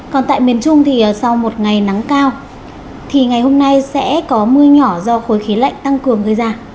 còn tại miền trung thì sau một ngày nắng cao thì ngày hôm nay sẽ có mưa nhỏ do khối khí lạnh tăng cường gây ra